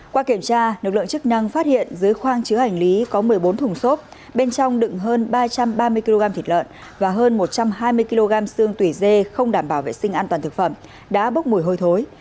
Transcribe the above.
qua kiểm tra lực lượng chức năng phát hiện dưới khoang chứa hành lý có một mươi bốn thùng xốp bên trong đựng hơn ba trăm ba mươi kg thịt lợn và hơn một trăm hai mươi kg xương tùy dê không đảm bảo vệ sinh an toàn thực phẩm đã bốc mùi hôi thối